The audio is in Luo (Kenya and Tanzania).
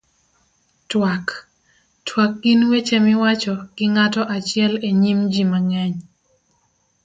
twak. twak gin weche miwacho gi ng'ato achiel e nyim ji mang'eny